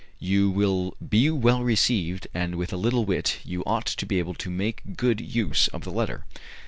You will be well received, and with a little wit you ought to be able to make good use of the letter.